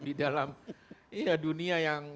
di dalam dunia yang